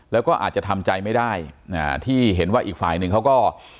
แล้วก็อาจจะทำใจไม่ได้ที่เห็นว่าอีกฝ่ายหนึ่งเขาก็